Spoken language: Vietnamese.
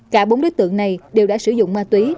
cả bốn đối tượng này đều đã sử dụng ma túy